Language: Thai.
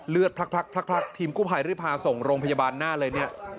เลือดพลักทีมกุภัยรืภาส่งโรงพยาบาลหน้าเลยเนี่ย